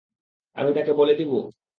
আমি তাকে বলে দিবো?